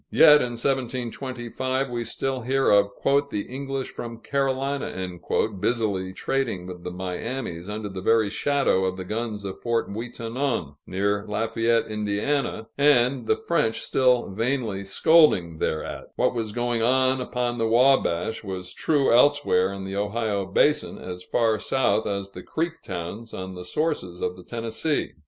Yet in 1725 we still hear of "the English from Carolina" busily trading with the Miamis under the very shadow of the guns of Fort Ouiatanon (near Lafayette, Ind.), and the French still vainly scolding thereat. What was going on upon the Wabash, was true elsewhere in the Ohio basin, as far south as the Creek towns on the sources of the Tennessee.